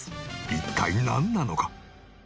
一体なんなのか？